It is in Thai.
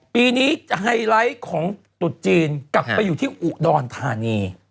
ปีนี้จะไฮไลท์ของตุดจีนกลับไปอยู่ที่อุดรธานี